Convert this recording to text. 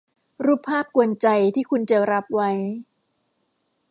รูปภาพกวนใจที่คุณจะรับไว้